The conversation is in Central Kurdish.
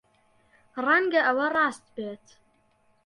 ڕەنگە ئەوە ڕاست بێت.